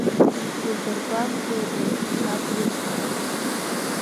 Узыргәамҵуазеи, саб рыцҳа?